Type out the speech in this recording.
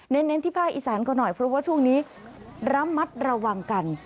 เน้นที่ภาคอีสานก็หน่อยเพราะว่าช่วงนี้ระมัดระวังกัน